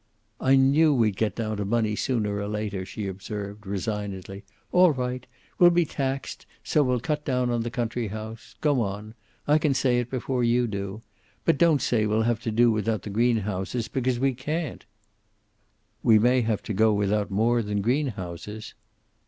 "I knew we'd get to money sooner or later," she observed, resignedly. "All right. We'll be taxed, so we'll cut down on the country house go on. I can say it before you do. But don't say we'll have to do without the greenhouses, because we can't." "We may have to go without more than greenhouses."